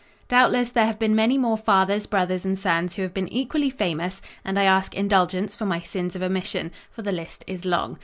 Doubtless there have been many more fathers, brothers and sons who have been equally famous and I ask indulgence for my sins of omission, for the list is long.